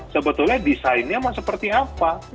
sebetulnya desainnya mau seperti apa